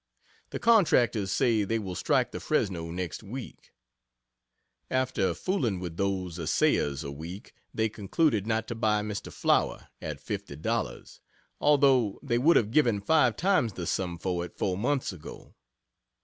The Contractors say they will strike the Fresno next week. After fooling with those assayers a week, they concluded not to buy "Mr. Flower" at $50, although they would have given five times the sum for it four months ago.